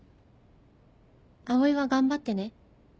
葵は頑張ってね